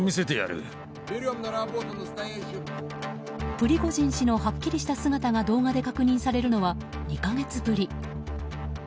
プリゴジン氏のはっきりした姿が動画で確認されるのは２か月ぶり。